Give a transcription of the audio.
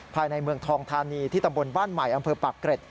ภายในเมืองทองธานีที่ตำบลบ้านใหม่อำเภอปากเกร็ด